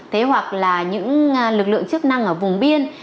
thế hoặc là những lực lượng chức năng ở vùng biên